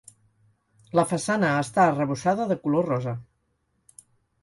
La façana està arrebossada de color rosa.